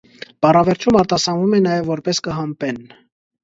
Բառավերջում արտասանվում է նաև որպես «կհամպեն»։